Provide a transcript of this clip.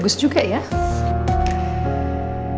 nih aku kenyang